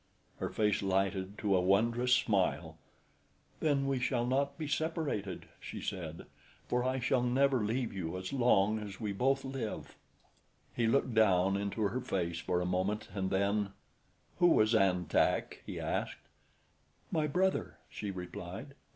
Her face lighted to a wondrous smile. "Then we shall not be separated," she said, "for I shall never leave you as long as we both live." He looked down into her face for a moment and then: "Who was An Tak?" he asked. "My brother," she replied.